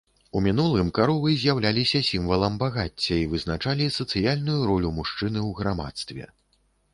У мінулым каровы з'яўляліся сімвалам багацця і вызначалі сацыяльную ролю мужчыны ў грамадстве.